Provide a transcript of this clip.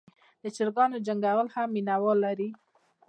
د چرګانو جنګول هم مینه وال لري.